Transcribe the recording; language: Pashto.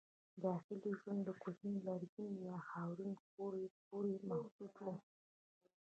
داخلي ژوند یې کوچني لرګین یا خاورین کور پورې محدود و.